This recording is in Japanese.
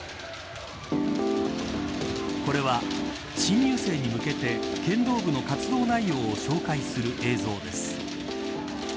これは、新入生に向けて剣道部の活動内容を紹介する映像です。